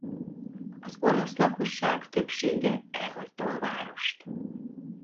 Az olasz lakosság többsége elhagyta a várost.